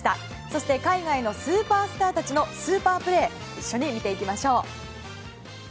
そして、海外のスーパースターたちのスーパープレーを一緒に見ていきましょう。